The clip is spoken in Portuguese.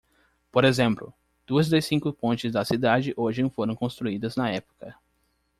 Por exemplo,?, duas das cinco pontes da cidade hoje foram construídas na época.